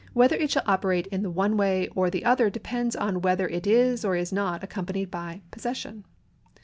Wiietlier it shall operate in the one way or in the other depends on whether it is or is not accompanied by possession.